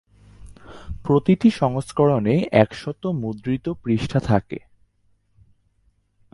প্রতিটি সংস্করণে একশত মুদ্রিত পৃষ্ঠা থাকে।